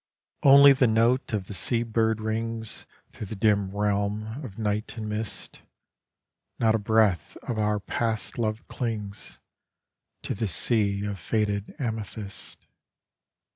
Only the note of the seabird rings Through the dim r*alm of night and mist, Hot a breath of our past love clings To this sea of faded amethyst.